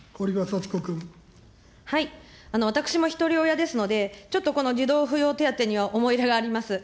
私もひとり親ですので、ちょっとこの児童扶養手当には思い入れがあります。